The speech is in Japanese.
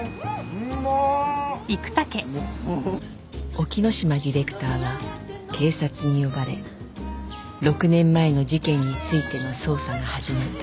［沖野島ディレクターは警察に呼ばれ６年前の事件についての捜査が始まったらしい］